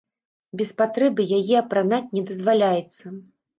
Без патрэбы яе апранаць не дазваляецца.